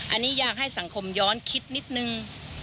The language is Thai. อันนี้อยากให้สังคมย้อนคิดนิดนึง